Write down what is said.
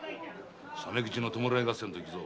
鮫吉の弔い合戦といくぞ。